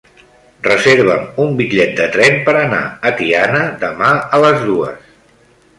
Reserva'm un bitllet de tren per anar a Tiana demà a les dues.